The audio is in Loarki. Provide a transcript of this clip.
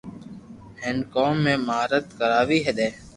ھيين ڪوم ۾ ماھارت ڪروا دي